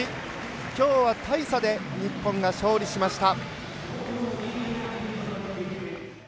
きょうは大差で日本が勝利しました。